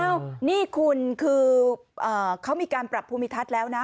นี่คุณคือเขามีการปรับภูมิทัศน์แล้วนะ